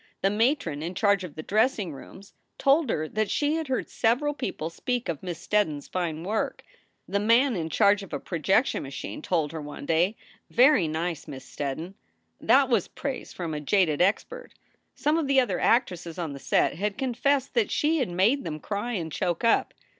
The matron in charge of the dressing rooms told her that she had heard several people speak of Miss Steddon s fine work. The man in charge of a projection machine told her one day, "Very nice, Miss Steddon!" That was praise from a jaded expert. Some of the other actresses on the set had confessed that she had mads them cry and choke up.